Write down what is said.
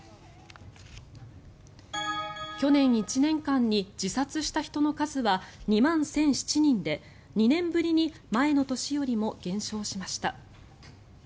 去年１年間に自殺した人の数は２万１００７人で２年ぶりに前の年よりも減少しました。